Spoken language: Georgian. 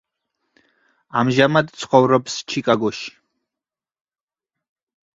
ამჟამად ცხოვრობს ჩიკაგოში.